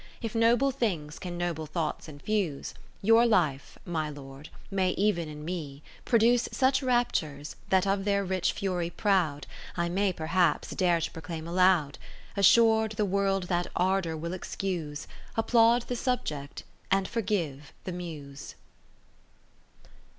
If noble things can noble thoughts infuse. Your life (my Lord) may, ev'n in me, produce Such raptures, that of their rich fury proud, I may, perhaps, dare to proclaim aloud ; 60 Assur'd, the World that ardour will excuse ; Applaud the subject, and forgive the Muse.